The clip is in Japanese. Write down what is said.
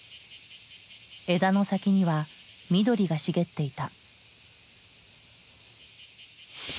枝の先には緑が茂っていた。